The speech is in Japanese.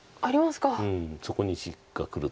うんそこに石がくると。